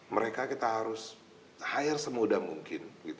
mereka kita harus hire semudah mungkin